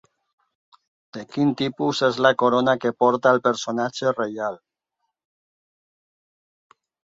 De quin tipus és la corona que porta el personatge reial?